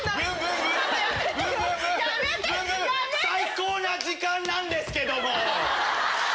最高な時間なんですけども！